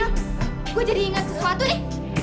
eh lino gue jadi inget sesuatu nih